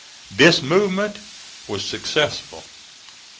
This movement was successful.